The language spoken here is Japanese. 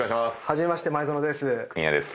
初めまして、前園です。